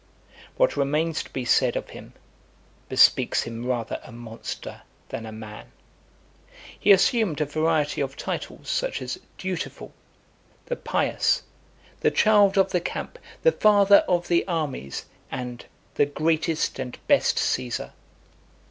What remains to be said of him, bespeaks him rather a monster than a man. He assumed a variety of titles, such as "Dutiful," "The (266) Pious," "The Child of the Camp, the Father of the Armies," and "The Greatest and Best Caesar."